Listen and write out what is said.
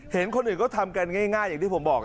เห็นคนอื่นก็ทำกันง่ายอย่างที่ผมบอก